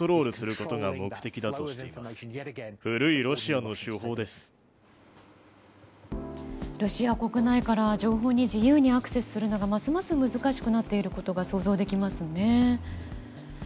ロシア国内から情報に自由にアクセスするのがますます難しくなっていることが想像できますよね。